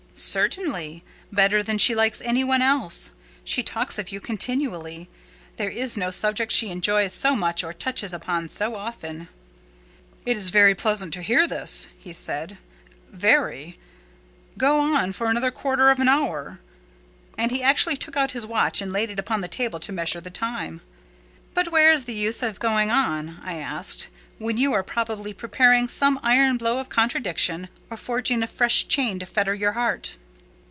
"Certainly; better than she likes any one else. She talks of you continually: there is no subject she enjoys so much or touches upon so often." "It is very pleasant to hear this," he said—"very: go on for another quarter of an hour." And he actually took out his watch and laid it upon the table to measure the time. "But where is the use of going on," I asked, "when you are probably preparing some iron blow of contradiction, or forging a fresh chain to fetter your heart?"